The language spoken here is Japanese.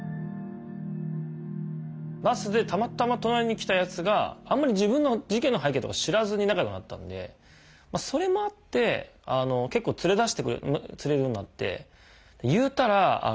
バスでたまたま隣に来たやつがあんまり自分の事件の背景とか知らずに仲良くなったんでそれもあって結構連れ出してくれるようになって。